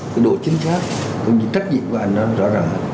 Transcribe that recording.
cái độ chính xác cái trách nhiệm của anh nó rõ ràng hơn